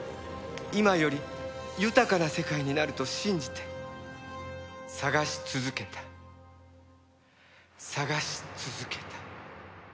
今より豊かな世界になると信じて探し続けた探し続けた。